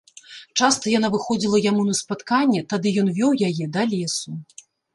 Часта яна выходзіла яму на спатканне, тады ён вёў яе да лесу.